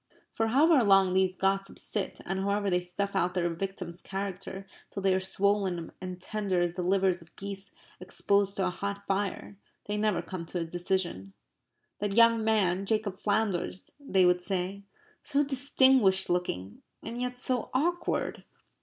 For however long these gossips sit, and however they stuff out their victims' characters till they are swollen and tender as the livers of geese exposed to a hot fire, they never come to a decision. "That young man, Jacob Flanders," they would say, "so distinguished looking and yet so awkward."